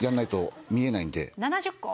７０個？